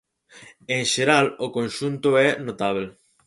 En xeral o conxunto é notábel.